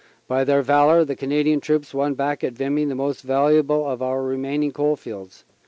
By their valor the Canadian troops won back at Vimy the most valuable of our remaining coal fields.